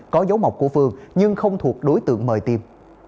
có dấu mọc của phương nhưng không thuộc đối tượng mời tiêm